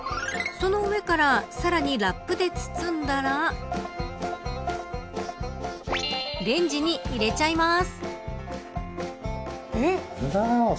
その上からさらにラップで包んだらレンジに入れちゃいます。